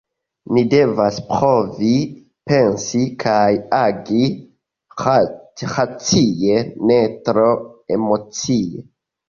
Ni devas provi pensi kaj agi racie, ne tro emocie.